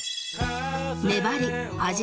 粘り味